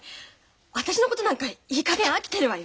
私のことなんかいい加減飽きてるわよ